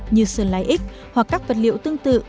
như sơn lai ích hoặc các vật liệu tương tự